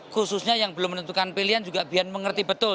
khususnya yang belum menentukan pilihan juga biar mengerti betul